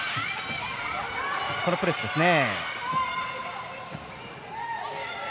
このプレスですね。